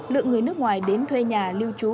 lượng người nước ngoài đến thuê nhà lưu trú